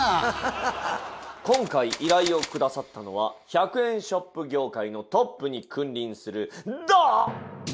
今回依頼をくださったのは１００円ショップ業界のトップに君臨する。